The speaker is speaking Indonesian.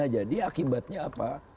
jadi akibatnya apa